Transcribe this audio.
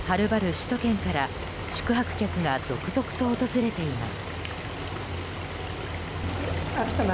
首都圏から宿泊客が続々と訪れています。